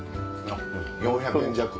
４００円弱。